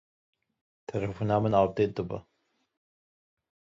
Telefon min appdêt dibe.